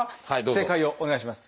正解をお願いします。